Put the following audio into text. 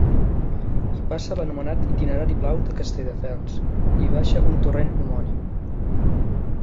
Hi passa l'anomenat itinerari blau de Castelldefels i hi baixa un torrent homònim.